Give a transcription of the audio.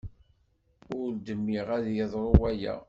Ur dmiɣ ad yeḍru waya.